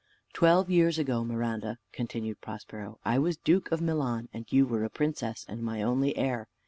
"Twelve years ago, Miranda," continued Prospero, "I was duke of Milan, and you were a princess, and my only heir.